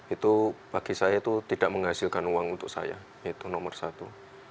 itu bagi saya itu tidak menghasilkan uang untuk saya itu nomor satu